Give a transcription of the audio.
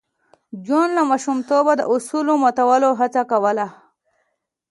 جون له ماشومتوبه د اصولو ماتولو هڅه کوله